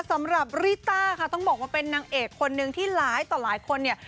สำหรับริต้าค่ะต้องบอกว่าเป็นนางเอกคนนึงที่หลายต่อหลายคนเนี่ย